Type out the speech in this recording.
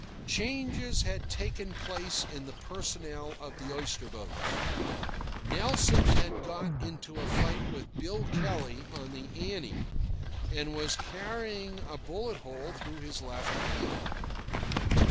Changes had taken place in the personnel of the oyster boats. Nelson had got into a fight with Bill Kelley on the Annie and was carrying a bullet hole through his left hand.